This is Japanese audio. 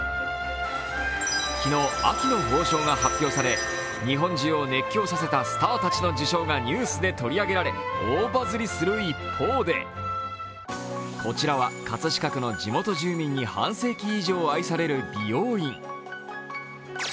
昨日、秋の褒賞が発表され、日本中を熱狂させたスターたちの受章がニュースで取り上げられ大バズりする一方でこちらは葛飾区の地元住民に半世紀以上愛される美容院が。